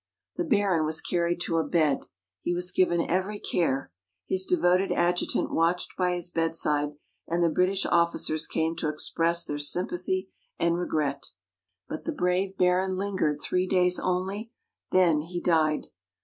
The Baron was carried to a bed. He was given every care. His devoted adjutant watched by his bedside, and the British officers came to express their sympathy and regret. But the brave Baron lingered three days only, then he died.